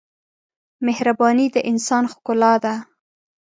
مهرباني د انسان ښکلا ده.